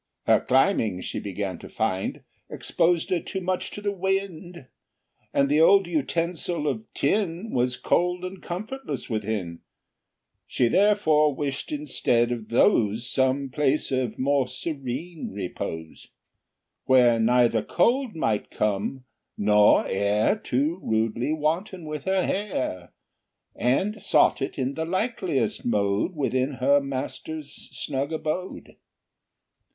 Her climbing, she began to find, Exposed her too much to the wind, And the old utensil of tin Was cold and comfortless within: She therefore wished, instead of those, Some place of more serene repose, Where neither cold might come, nor air Too rudely wanton in her hair, And sought it in the likeliest mode Within her master's snug abode.